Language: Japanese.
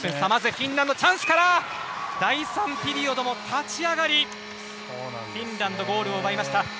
まずフィンランドチャンスから第３ピリオドも立ち上がりにフィンランドゴールを奪いました。